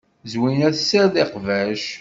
Zwina tessared iqbac.